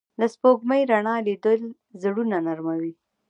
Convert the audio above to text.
د سپوږمۍ رڼا لیدل زړونه نرموي